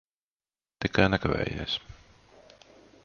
Tikai nekavējies.